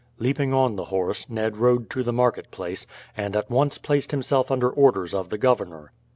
Leaping on the horse, Ned rode to the marketplace, and at once placed himself under orders of the governor.